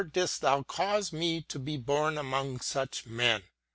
didst thou cause me to be bora among such men?